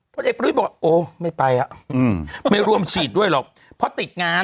พลเอกประวิทย์บอกโอ้ไม่ไปอ่ะอืมไม่ร่วมฉีดด้วยหรอกเพราะติดงาน